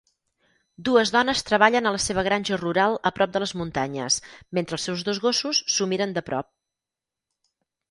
Dues dones treballen a la seva granja rural a prop de les muntanyes mentre els seus dos gossos s'ho miren de prop.